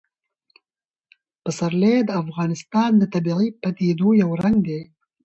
پسرلی د افغانستان د طبیعي پدیدو یو رنګ دی.